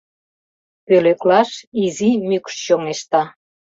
Пӧлеклаш изи мӱкш чоҥешта.